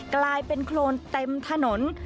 กลายเป็นโครนเต็มถนน